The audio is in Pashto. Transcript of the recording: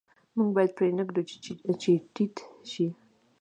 موږ باید پرې نه ږدو چې ټیټ شو.